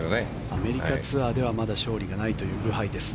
アメリカツアーではまだ勝利がないというブハイ。